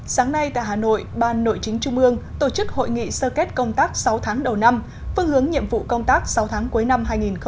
sáng nay tại hà nội ban nội chính trung ương tổ chức hội nghị sơ kết công tác sáu tháng đầu năm phương hướng nhiệm vụ công tác sáu tháng cuối năm hai nghìn hai mươi